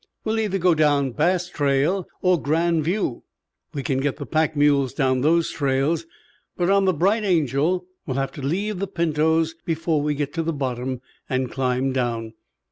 We'll either go down Bass Trail or Grand View. We can get the pack mules down those trails, but on the Bright Angel we'll have to leave the pintos before we get to the bottom and climb down."